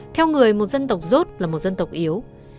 theo người một dân tộc rốt là một dân tộc yếu